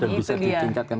dan bisa ditingkatkan